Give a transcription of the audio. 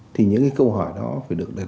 thì những cái câu hỏi đó phải được